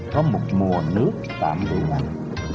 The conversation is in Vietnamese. có một mùa nước tạm đủ mạnh